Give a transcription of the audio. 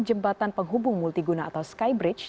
jembatan penghubung multiguna atau skybridge